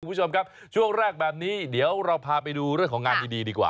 คุณผู้ชมครับช่วงแรกแบบนี้เดี๋ยวเราพาไปดูเรื่องของงานดีดีกว่า